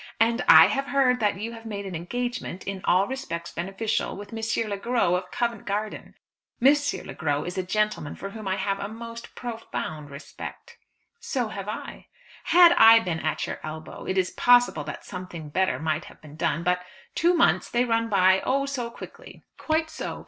And I have heard that you have made an engagement in all respects beneficial with M. Le Gros, of Covent Garden. M. Le Gros is a gentleman for whom I have a most profound respect." "So have I." "Had I been at your elbow, it is possible that something better might have been done; but two months; they run by oh, so quickly!" "Quite so.